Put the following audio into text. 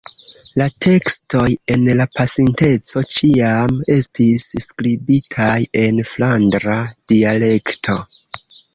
La tekstoj en la pasinteco ĉiam estis skribitaj en flandra dialekto.